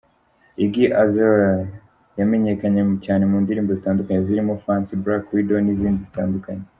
Iggy Azalea yamenyekanye cyane mu ndirimbo zitandukanye zirimo Fancy, Black Widow n’izindi zitandukanye.